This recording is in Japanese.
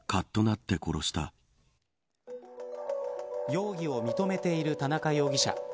容疑を認めている田中容疑者。